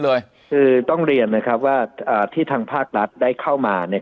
เลยคือต้องเรียนนะครับว่าที่ทางภาครัฐได้เข้ามาเนี่ย